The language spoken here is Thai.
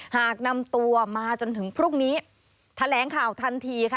หากนำตัวมาจนถึงพรุ่งนี้แถลงข่าวทันทีค่ะ